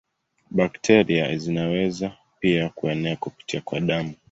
Bakteria zinaweza pia kuenea kupitia kwa damu.